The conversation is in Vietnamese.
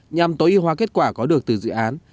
nhằm tối y hoa kết quả có được từ dự án